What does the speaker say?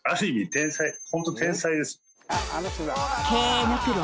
天才ホント天才です経営のプロ